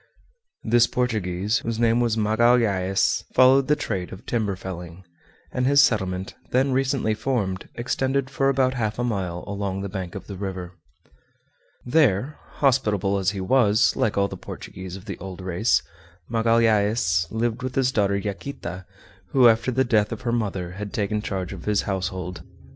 This Portuguese, whose name was Magalhaës, followed the trade of timber felling, and his settlement, then recently formed, extended for about half a mile along the bank of the river. There, hospitable as he was, like all the Portuguese of the old race, Magalhaës lived with his daughter Yaquita, who after the death of her mother had taken charge of his household.